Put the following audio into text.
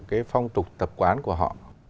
cái phong tục tập quán của họ